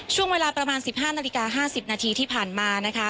ช่วงเวลาประมาณ๑๕นาฬิกา๕๐นาทีที่ผ่านมานะคะ